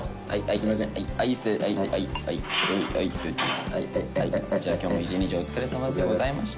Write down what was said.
はい。